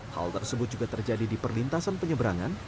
hal tersebut juga terjadi di perlintasan penyeberangan